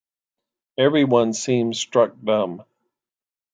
Everyone seems struck dumb.